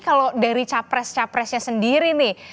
kalau dari capres capresnya sendiri nih